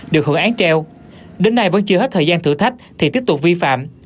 được hưởng án treo đến nay vẫn chưa hết thời gian thử thách thì tiếp tục vi phạm